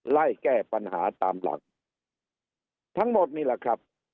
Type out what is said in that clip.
ไล่แก้ปัญหาตามหลักทั้งหมดนี่แหละครับ